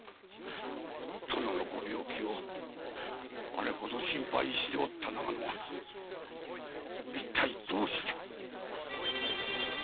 殿のご病気をあれほど心配しておった長野が一体どうして？